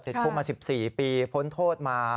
ติดพบมา๑๔ปีพ้นโทษมา